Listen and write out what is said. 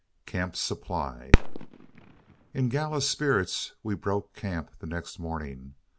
CAMP SUPPLY In gala spirits we broke camp the next morning.